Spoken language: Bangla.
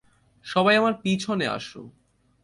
সবাই আমার পিছনে আস।